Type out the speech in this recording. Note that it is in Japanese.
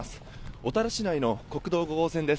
小樽市内の国道５号線です。